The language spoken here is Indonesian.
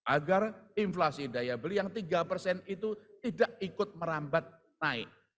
agar inflasi daya beli yang tiga persen itu tidak ikut merambat naik